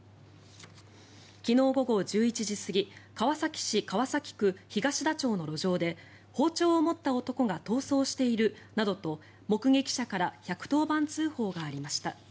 昨日午後１１時過ぎ川崎市川崎区東田町の路上で包丁を持った男が逃走しているなどと目撃者から１１０番通報がありました。